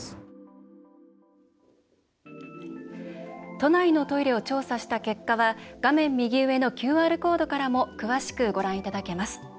都内のトイレを調査した結果は画面右上のＱＲコードからも詳しくご覧いただけます。